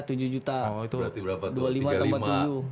berarti berapa tuh rp tiga puluh lima tambah rp tujuh